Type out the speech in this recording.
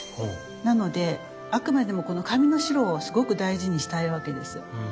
なのであくまでもこの紙の白をすごく大事にしたいわけですよ。